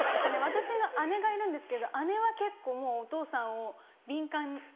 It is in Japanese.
私の姉がいるんですけど姉は結構もうお父さんを敏感に。